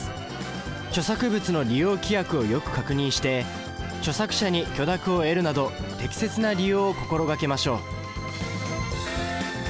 著作物の利用規約をよく確認して著作者に許諾を得るなど適切な利用を心掛けましょう。